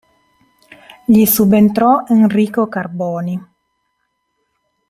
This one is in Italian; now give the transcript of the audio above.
Gli subentrò Enrico Carboni.